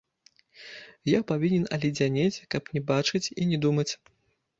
Я павінен аледзянець, каб не бачыць і не думаць.